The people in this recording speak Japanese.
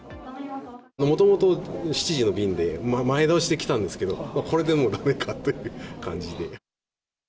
もともと７時の便で、前倒しで来たんですけど、これでもだめかという感じで。